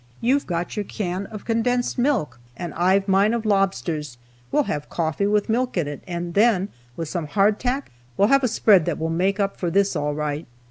You've your can of condensed milk, and I've mine of lobsters; we'll have coffee with milk in it, and then, with some hardtack, we'll have a spread that will make up for this all right."